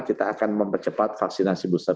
kita akan mempercepat vaksinasi booster